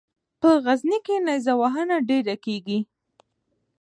په غزني کې نیره وهنه ډېره کیږي.